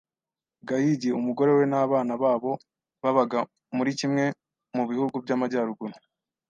Gahigi, umugore we n’abana babo babaga muri kimwe mu bihugu by’amajyaruguru